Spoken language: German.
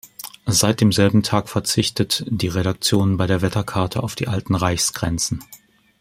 Seit demselben Tag verzichtet die Redaktion bei der Wetterkarte auf die alten Reichsgrenzen.